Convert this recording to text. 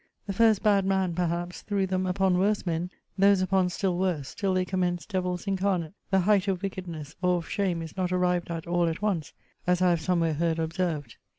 The first bad man, perhaps, threw them upon worse men; those upon still worse; till they commenced devils incarnate the height of wickedness or of shame is not arrived at all at once, as I have somewhere heard observed.